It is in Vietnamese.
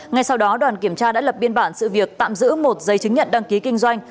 ngay sau đó đoàn kiểm tra đã lập biên bản sự việc tạm giữ một giấy chứng nhận đăng ký kinh doanh